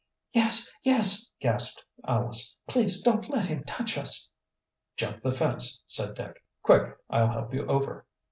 "Yes! yes!" gasped Alice. "Please don't let him touch us!" "Jump the fence!" said Dick. "Quick, I'll help you over!"